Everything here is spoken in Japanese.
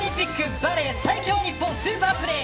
バレー最強ニッポンスーパープレー！